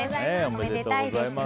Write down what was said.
おめでたいですね。